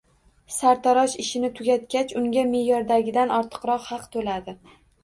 Sartarosh ishini tugatgach, unga meʼyordagidan ortiqroq haq toʻladi